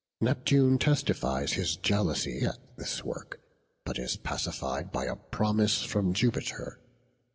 Neptune testifies his jealousy at this work, but is pacified by a promise from Jupiter.